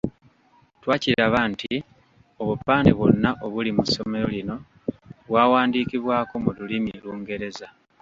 Twakiraba nti obupande bwonna obuli mu ssomero lino bwawandiikibwako mu lulimi Lungereza.